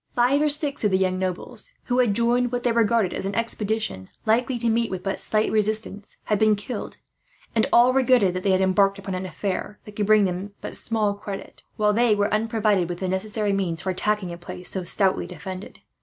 Five or six of the young nobles, who had joined what they regarded as an expedition likely to meet with but slight resistance, had been killed; and all regretted that they had embarked upon an affair that could bring them but small credit, while they were unprovided with the necessary means for attacking a place so stoutly defended.